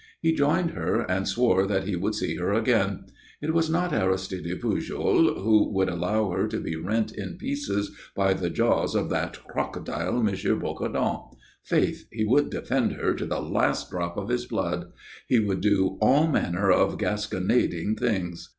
He joined her and swore that he would see her again. It was not Aristide Pujol who would allow her to be rent in pieces by the jaws of that crocodile, M. Bocardon. Faith, he would defend her to the last drop of his blood. He would do all manner of gasconading things.